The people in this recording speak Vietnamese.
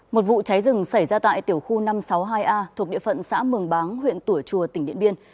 một vụ cháy rừng xảy ra tại tiểu khu năm trăm sáu mươi hai a thuộc địa phận xã mường báng huyện tủa chùa tỉnh điện biên